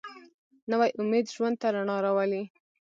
نوی امید ژوند ته رڼا راولي